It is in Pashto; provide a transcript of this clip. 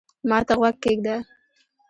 ما ته غوږ کېږده